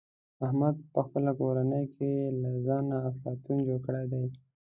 احمد په خپله کورنۍ کې له ځانه افلاطون جوړ کړی دی.